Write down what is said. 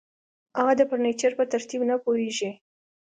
هغه د فرنیچر په ترتیب نه پوهیږي